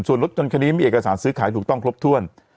ส่วนรถยนต์คันนี้มีเอกสารซื้อขายถูกต้องครบถ้วน